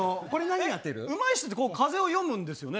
うまい人って、風を読むんですよね。